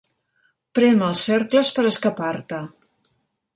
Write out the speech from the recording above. Prem als cercles per escapar-te.